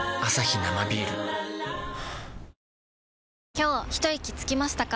今日ひといきつきましたか？